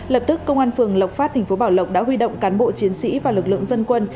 lập tức công an phường lộc phát thành phố bảo lộc đã huy động cán bộ chiến sĩ và lực lượng dân quân